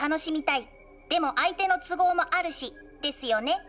でも相手の都合もあるしですよね？